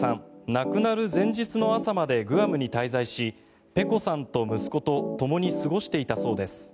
亡くなる前日の朝までグアムに滞在しｐｅｃｏさんと息子とともに過ごしていたそうです。